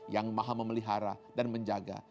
yang maha memelihara dan menjaga